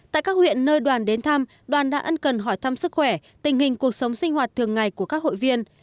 tại các huyện nơi đoàn đến thăm đoàn đã ân cần hỏi thăm sức khỏe tình hình cuộc sống sinh hoạt thường ngày của các hội viên